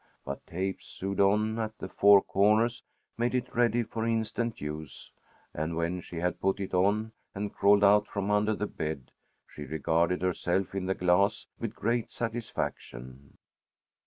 But tapes sewed on at the four corners made it ready for instant use, and when she had put it on and crawled out from under the bed, she regarded herself in the glass with great satisfaction.